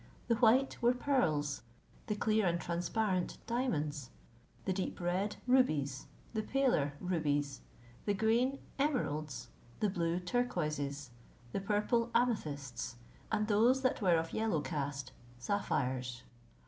The white were pearls; the clear and transparent, diamonds; the deep red, rubies; the paler, rubies; the green, emeralds; the blue, turquoises; the purple, amethysts; and those that were of yellow cast, sapphires.